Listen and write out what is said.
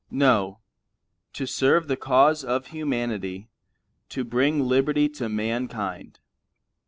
No; to serve the cause of humanity, to bring liberty to mankind.